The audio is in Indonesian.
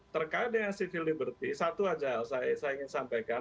terkait dengan civil liberty satu saja saya ingin sampaikan